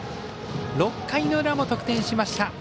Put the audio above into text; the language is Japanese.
６回の裏も得点しました。